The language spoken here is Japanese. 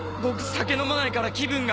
酒飲まないから気分が。